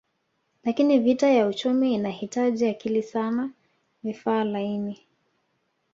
Lakini vita ya uchumi inahitaji akili sana vifaa laini